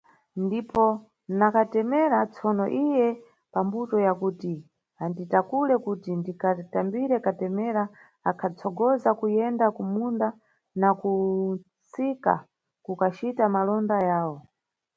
Ndipo na katemera, tsono iye pa mbuto ya kuti anditakule kuti ndikatambire katemera, akhatsogoza kuyenda ku munda na ku msika kukacita malonda yawo.